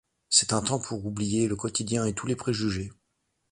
C'est un temps pour oublier le quotidien et tous les préjugés.